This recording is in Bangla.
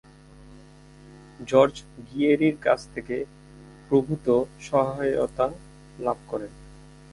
জর্জ গিয়েরি’র কাছ থেকে প্রভূতঃ সহায়তা লাভ করেন।